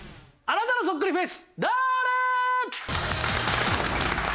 あなたのそっくりフェイス誰？